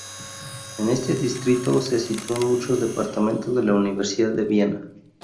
En este distrito se sitúan muchos departamentos de la Universidad de Viena.